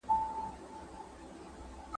پخواني انسانان له طبعيته ډېر وېرېدل.